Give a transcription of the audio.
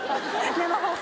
生放送？